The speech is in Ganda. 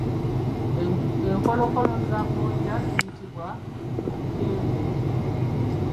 Enkolokolo za gonja ziyitibwa Obutendwe.